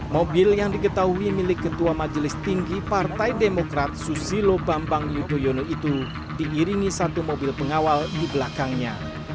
mobil yang diketahui milik ketua majelis tinggi partai demokrat susilo bambang yudhoyono itu diiringi satu mobil pengawal di belakangnya